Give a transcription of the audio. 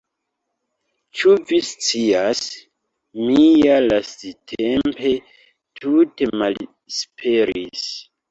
Ĉu vi scias, mi ja lasttempe tute malesperis!